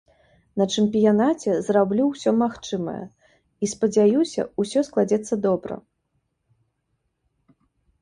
На чэмпіянаце зраблю ўсё магчымае і спадзяюся, усё складзецца добра.